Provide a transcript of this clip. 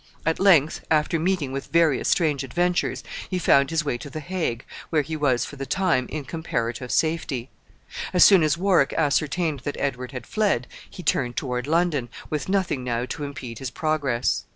At length, after meeting with various strange adventures, he found his way to the Hague, where he was, for the time, in comparative safety. As soon as Warwick ascertained that Edward had fled, he turned toward London, with nothing now to impede his progress.